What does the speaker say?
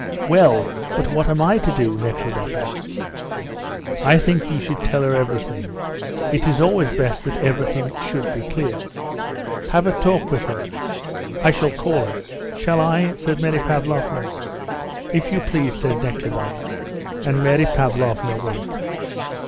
"Well, but what am I to do?" Nekhludoff asked. "I think you should tell her everything; it is always best that everything should be clear. Have a talk with her; I shall call her. Shall I?" said Mary Pavlovna. "If you please," said Nekhludoff, and Mary Pavlovna went.